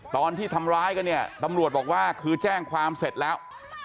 ตอนที่ทำร้ายกันเนี่ยตำรวจบอกว่าคือแจ้งความเสร็จแล้ว